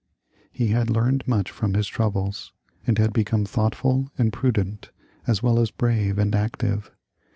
He had learned much from his troubles, and had become thoughtful and prudent, as well as brave and active.